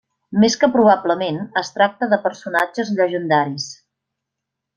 Més que probablement, es tracta de personatges llegendaris.